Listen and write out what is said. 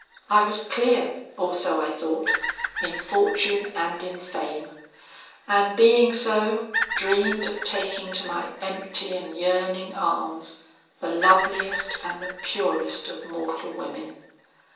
I was clear, or so I thought, in fortune and in fame; and being so, dreamed of taking to my empty and yearning arms, the loveliest and the purest of mortal women.